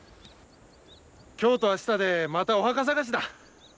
今日と明日でまたお墓探しだ。